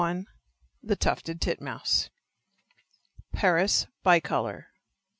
143 THE TUFTED TITMOUSE. (_Parus bicolor.